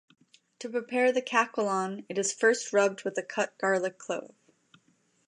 To prepare the "caquelon" it is first rubbed with a cut garlic clove.